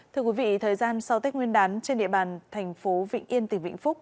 thưa quý vị thời gian sau tết nguyên đán trên địa bàn tp vịnh yên tỉnh vịnh phúc